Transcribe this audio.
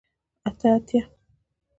اته اتیا